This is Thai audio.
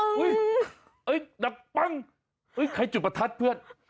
อุ๊ยนับปั้งให้จุดประทัดเพื่อน